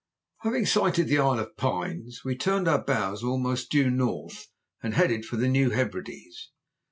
Having sighted the Isle of Pines we turned our bows almost due north and headed for the New Hebrides.